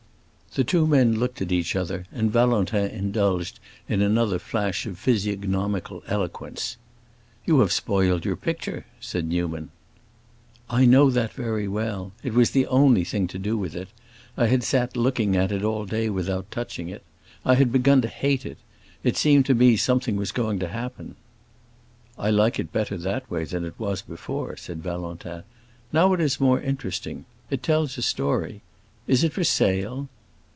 The two men looked at each other, and Valentin indulged in another flash of physiognomical eloquence. "You have spoiled your picture," said Newman. "I know that very well. It was the only thing to do with it. I had sat looking at it all day without touching it. I had begun to hate it. It seemed to me something was going to happen." "I like it better that way than as it was before," said Valentin. "Now it is more interesting. It tells a story. Is it for sale?"